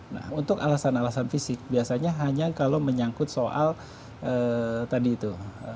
nah untuk alasan alasan fisik biasanya hanya kalau menyangkut soal tadi itu